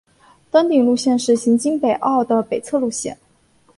登顶路线是行经北坳的北侧路线。